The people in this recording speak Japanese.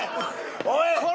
おい！